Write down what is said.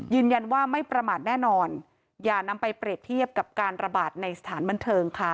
ยืนยันว่าไม่ประมาทแน่นอนอย่านำไปเปรียบเทียบกับการระบาดในสถานบันเทิงค่ะ